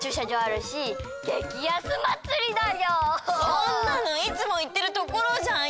そんなのいつもいってるところじゃん！